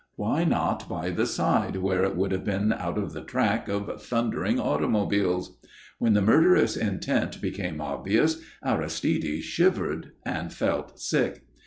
Why not by the side, where it would have been out of the track of thundering automobiles? When the murderous intent became obvious Aristide shivered and felt sick.